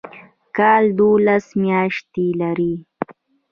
کال دوولس میاشتې لري